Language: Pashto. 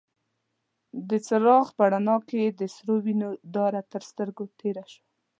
د څراغ په رڼا کې يې د سرو وينو داره تر سترګو تېره شوه.